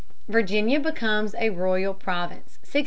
Virginia becomes a Royal Province, 1624.